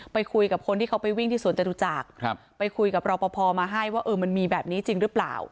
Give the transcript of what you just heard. ไปคุยกับคนที่เขาไปวิ่งที่สวนจตุจักรไปคุยกับรอปภมาให้ว่าเออมันมีแบบนี้จริงหรือเปล่า